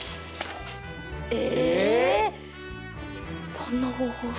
そんな方法が。